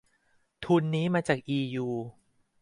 ทุนนี้มาจากอียู